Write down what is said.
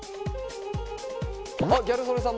あっギャル曽根さん